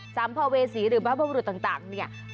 สัมภเวษีหรือบรรพบรุษต่างเนี่ย